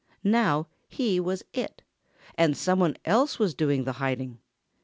Now, he was "it", and some one else was doing the hiding.